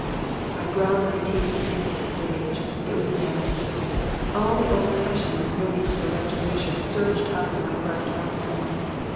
"I ground my teeth with impotent rage. It was maddening. All the old passion and yearning for retribution surged up in my breast once more.